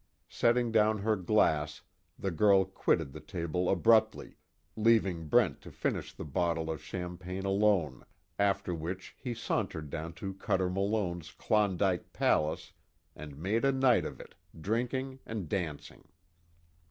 Setting down her glass the girl quitted the table abruptly, leaving Brent to finish the bottle of champagne alone, after which he sauntered down to Cuter Malone's "Klondike Palace" and made a night of it, drinking and dancing.